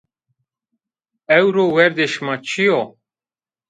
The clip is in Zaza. Ewro werdê şima çi yo?